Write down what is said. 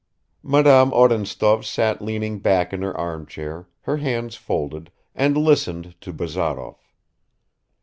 Madame Odintsov sat leaning back in her armchair, her hands folded, and listened to Bazarov.